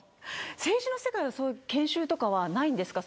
政治の世界は研修とかはないんですか。